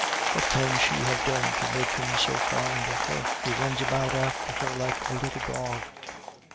What can she have done to make him so fond of her? He runs about after her like a little dog."